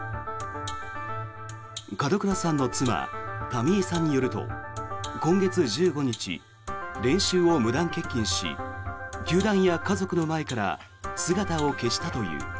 門倉さんの妻・民江さんによると今月１５日練習を無断欠勤し球団や家族の前から姿を消したという。